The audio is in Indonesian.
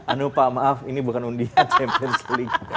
anupa maaf ini bukan undian champions league